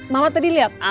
mama tadi lihat